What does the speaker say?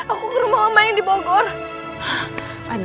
aku mau nyuruh filtered